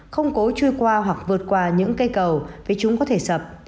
không cố chui qua hoặc vượt qua những cây cầu vì chúng có thể sập